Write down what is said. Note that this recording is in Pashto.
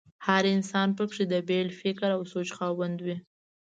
هر انسان په کې د بېل فکر او سوچ خاوند وي.